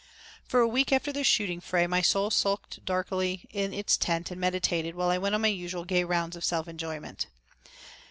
For a week after the shooting fray my soul sulked darkly in its tent and meditated while I went on my usual gay rounds of self enjoyment.